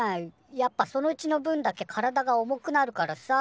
やっぱその血の分だけ体が重くなるからさ。